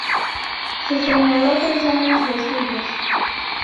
Se señaló tres años de estudios.